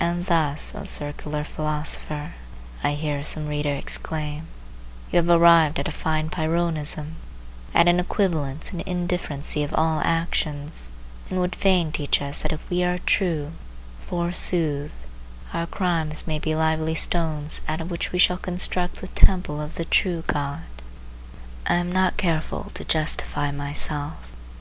And thus, O circular philosopher, I hear some reader exclaim, you have arrived at a fine Pyrrhonism, at an equivalence and indifferency of all actions, and would fain teach us that if we are true, forsooth, our crimes may be lively stones out of which we shall construct the temple of the true God! I am not careful to justify myself.